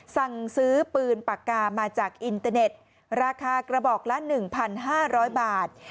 สั่งซื้อปืนปากกามาจากอินเตอร์เน็ตราคากระบอกละ๑๕๐๐บาท